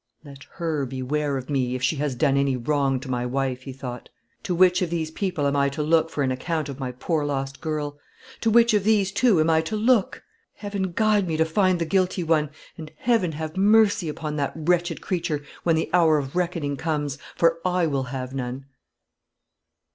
"Let her beware of me, if she has done any wrong to my wife!" he thought. "To which of these people am I to look for an account of my poor lost girl? To which of these two am I to look! Heaven guide me to find the guilty one; and Heaven have mercy upon that wretched creature when the hour of reckoning comes; for I will have none."